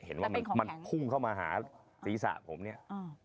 เห็นว่ามันพุ่งเข้ามาหาศีรษะผมเนี่ย